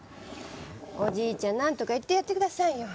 おじいちゃん何とか言ってやってくださいよ。